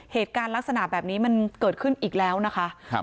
เหตุการณ์ลักษณะแบบนี้มันเกิดขึ้นอีกแล้วนะคะ